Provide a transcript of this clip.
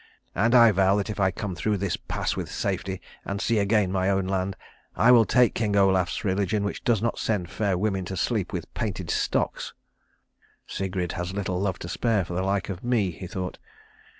And I vow that if I come through this pass with safety, and see again my own land, I will take King Olaf's religion, which does not send fair women to sleep with painted stocks." "Sigrid has little love to spare for the like of me," he thought.